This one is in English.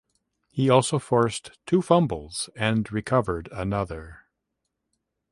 He also forced two fumbles and recovered another.